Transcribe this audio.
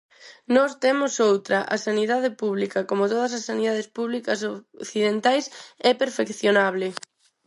Nós temos outra: a sanidade pública, como todas as sanidades públicas occidentais, é perfeccionable.